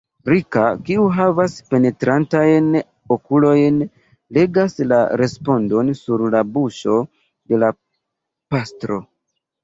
Rika, kiu havas penetrantajn okulojn, legas la respondon sur la buŝo de la pastro.